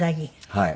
はい。